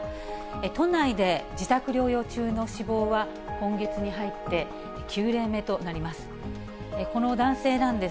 都内で自宅療養中の死亡は、今月に入って９例目となります。